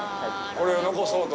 これを残そうと。